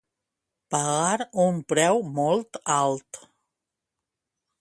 Pagar un preu molt alt.